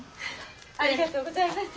ありがとうございます。